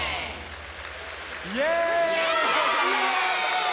イエーイ！